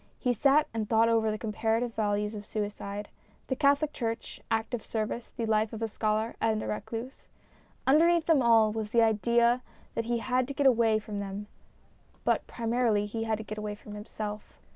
He sat and thought over the comparative values of suicide, the Catholic Church, active service, the life of a scholar and a recluse. Underneath them all was the idea 236 STORIES IN GREY that he had to get away from them ; but primarily he had to get away from himself.